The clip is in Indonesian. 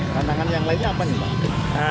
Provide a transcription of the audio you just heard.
tantangan yang lainnya apa